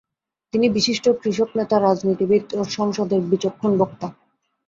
তিনি বিশিষ্ট কৃষক নেতা, রাজনীতিবিদ ও সংসদের বিচক্ষণ বক্তা।